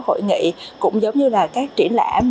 hội nghị cũng giống như là các triển lãm